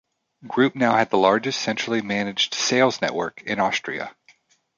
Group now had the largest centrally managed sales network in Austria.